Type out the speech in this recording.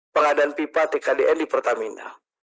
pengadaan pipa tkdn di pertamina